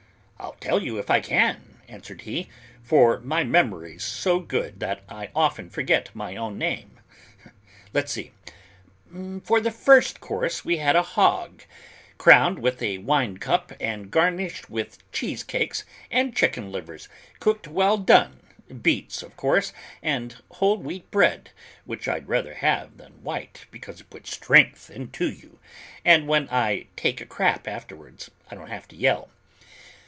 "I'll tell you if I can," answered he, "for my memory's so good that I often forget my own name. Let's see, for the first course, we had a hog, crowned with a wine cup and garnished with cheese cakes and chicken livers cooked well done, beets, of course, and whole wheat bread, which I'd rather have than white, because it puts strength into you, and when I take a crap afterwards, I don't have to yell.